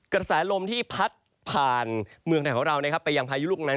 กระแสลมที่พัดผ่านเมืองไทยของเรานะครับไปยังพายุลูกนั้น